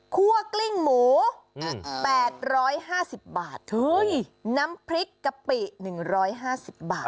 กลิ้งหมู๘๕๐บาทน้ำพริกกะปิ๑๕๐บาท